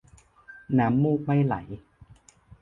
น้ำมูกไม่ไหล